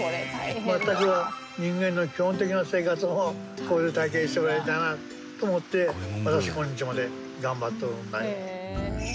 全く人間の基本的な生活をこういう体験してもらいたいなと思って私今日まで頑張っとるんだよ。